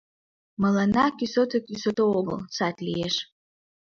— Мыланна кӱсото кӱсото огыл, сад лиеш!